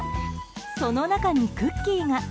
その中にクッキーが。